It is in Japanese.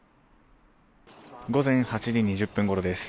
午前８時２０分ごろです。